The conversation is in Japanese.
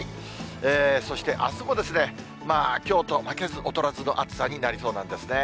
そしてあすも、きょうと負けず劣らずの暑さになりそうなんですね。